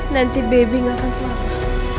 nanti bebi gak akan selamat